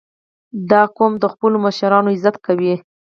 • دا قوم د خپلو مشرانو عزت کوي.